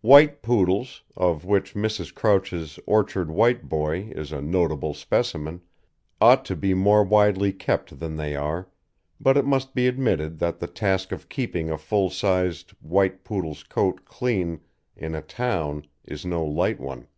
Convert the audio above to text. White Poodles, of which Mrs. Crouch's Orchard White Boy is a notable specimen, ought to be more widely kept than they are, but it must be admitted that the task of keeping a full sized white Poodle's coat clean in a town is no light one.